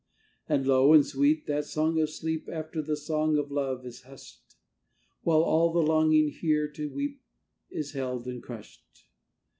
And low and sweet that song of sleep After the song of love is hushed; While all the longing, here, to weep, Is held and crushed.